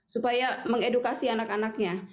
supaya mengedukasi anak anaknya